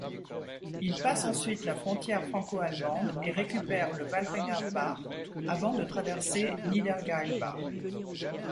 Il passe ensuite la frontière franco-allemande et récupère le Wallringerbach avant de traverser Niedergailbach.